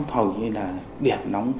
hầu như là điện nóng